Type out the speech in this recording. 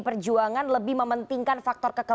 perjuangan lebih mementingkan faktor